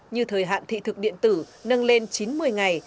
như thời hạn thị thực điện tử nâng lên chín mươi ngày